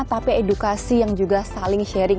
tapi edukasi yang juga saling sharing